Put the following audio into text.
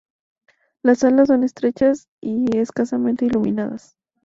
Las salas son estrechas y escasamente iluminadas.